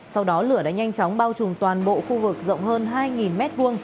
sau đó lửa đã nhanh chóng bao trùm toàn bộ khu vực rộng hơn hai m hai